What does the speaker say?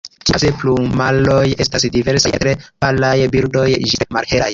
Ĉiukaze plumaroj estas diversaj el tre palaj birdoj ĝis tre malhelaj.